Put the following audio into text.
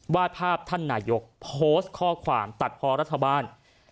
วาดภาพท่านนายกโพสต์ข้อความตัดพอรัฐบาล